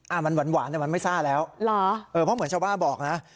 มันหวานแต่มันไม่ซ่าแล้วเหรอเออเพราะเหมือนชาวบ้านบอกนะ